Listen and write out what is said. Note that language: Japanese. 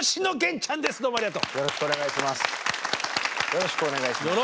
よろしくお願いします。